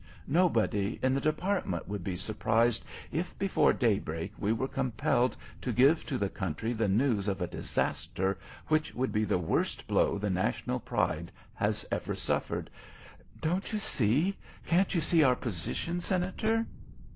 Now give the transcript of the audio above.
nobody in the department would be surprised if before daybreak we were compelled to give to the country the news of a disaster which would be the worst blow the National pride has ever suffered. Don't you see? Can't you see our position, Senator?"